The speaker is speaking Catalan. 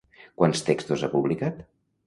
Quants textos ha publicat?